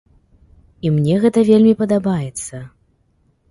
І мне гэта вельмі падабаецца!